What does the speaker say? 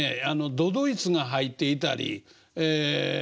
都々逸が入っていたりええ